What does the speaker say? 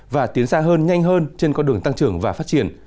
và tiến xa hơn nhanh hơn trên con đường tăng trưởng và phát triển